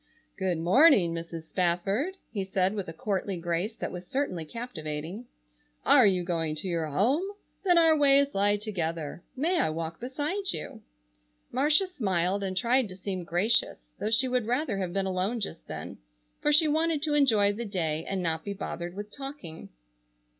"Good morning, Mrs. Spafford," he said, with a courtly grace that was certainly captivating, "are you going to your home? Then our ways lie together. May I walk beside you?" Marcia smiled and tried to seem gracious, though she would rather have been alone just then, for she wanted to enjoy the day and not be bothered with talking.